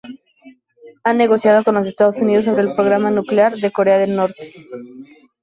Ha negociado con los Estados Unidos sobre el programa nuclear de Corea del Norte.